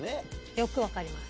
よくわかります。